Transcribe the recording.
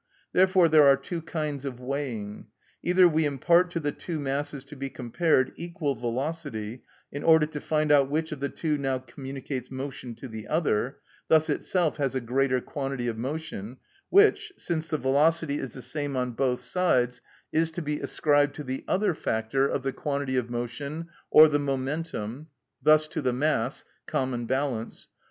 Therefore there are two kinds of weighing. Either we impart to the two masses to be compared equal velocity, in order to find out which of the two now communicates motion to the other, thus itself has a greater quantity of motion, which, since the velocity is the same on both sides, is to be ascribed to the other factor of the quantity of motion or the momentum, thus to the mass (common balance).